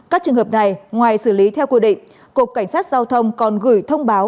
các trường hợp này ngoài xử lý theo quy định cục cảnh sát giao thông còn gửi thông báo